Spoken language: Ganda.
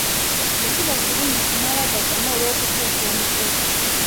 Tekiba kirungi kumala gaddamu olw'okutuusa omukolo!